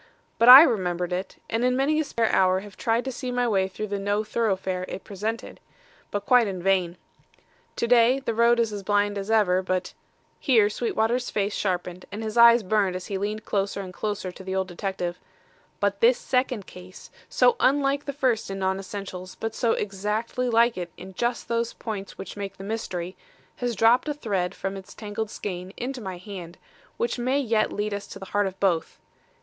But I remembered it, and in many a spare hour have tried to see my way through the no thoroughfare it presented. But quite in vain. To day, the road is as blind as ever, but " here Sweetwater's face sharpened and his eyes burned as he leaned closer and closer to the older detective "but this second case, so unlike the first in non essentials but so exactly like it in just those points which make the mystery, has dropped a thread from its tangled skein into my hand, which may yet lead us to the heart of both.